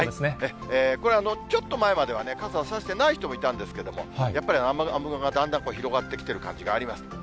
これはちょっと前までは、傘を差してない人もいたんですけれども、雨雲がだんだん広がってきてる感じがあります。